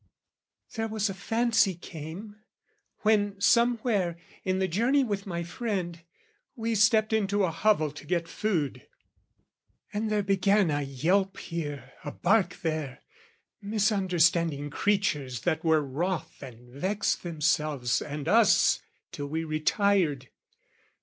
There was a fancy came, When somewhere, in the journey with my friend, We stepped into a hovel to get food; And there began a yelp here, a bark there, Misunderstanding creatures that were worth And vexed themselves and us till we retired.